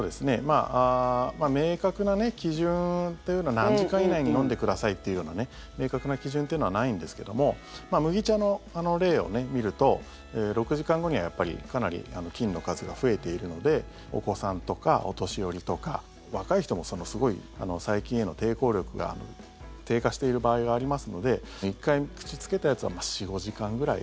明確な基準というのは何時間以内に飲んでくださいっていうような明確な基準というのはないんですけども麦茶の例を見ると、６時間後にはかなりの菌の数が増えているのでお子さんとかお年寄りとか若い人もすごい細菌への抵抗力が低下している場合がありますので１回、口つけたやつは４５時間ぐらい。